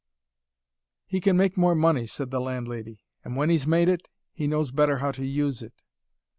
"He can make more money," said the landlady. "And when he's made it, he knows better how to use it."